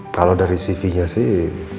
kalau dari cv nya sih